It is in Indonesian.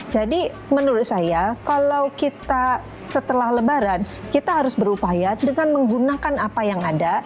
jadi menurut saya kalau kita setelah lebaran kita harus berupaya dengan menggunakan apa yang ada